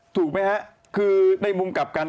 ถูกไหมฮะคือในมุมกลับกัน